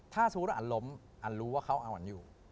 ถ้าสมมุติว่าอันล้มอันรู้ว่าเขาเอาอันอยู่